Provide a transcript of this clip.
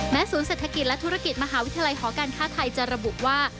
ศูนย์เศรษฐกิจและธุรกิจมหาวิทยาลัยหอการค้าไทยจะระบุว่า